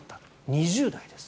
２０代です。